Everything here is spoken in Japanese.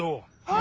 あ。